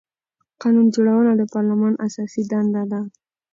قانون جوړونه د پارلمان اساسي دنده ده